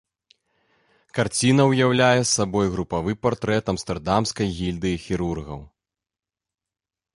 Карціна ўяўляе сабой групавы партрэт амстэрдамскай гільдыі хірургаў.